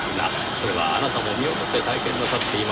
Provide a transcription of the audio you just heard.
それはあなたも身をもって体験なさっていますからねぇ。